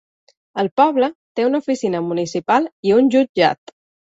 El poble té una oficina municipal i un jutjat.